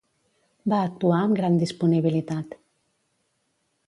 Va actuar amb gran disponibilitat.